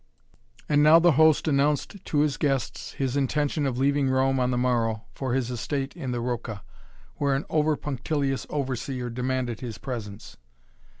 And now the host announced to his guests his intention of leaving Rome on the morrow for his estate in the Rocca, where an overpunctilious overseer demanded his presence.